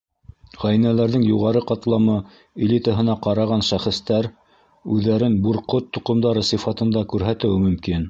Ғәйнәләрҙең юғары ҡатламы - элитаһына ҡараған шәхестәр үҙҙәрен Бүрҡот тоҡомдары сифатында күрһәтеүе мөмкин.